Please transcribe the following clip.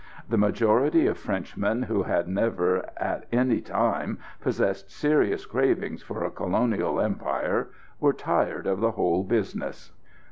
The majority of Frenchmen who had never at any time possessed serious cravings for a Colonial Empire, were tired of the whole business.